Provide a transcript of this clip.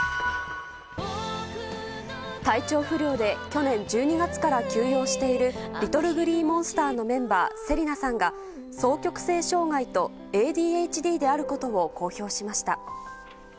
体調不良で去年１２月から休養しているＬｉｔｔｌｅＧｌｅｅＭｏｎｓｔｅｒのメンバー芹奈さんが、双極性障害とＡＤＨＤであることを公表しました。